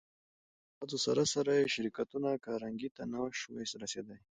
خو له ټولو هڅو سره سره يې شرکتونه کارنګي ته نه شوای رسېدای.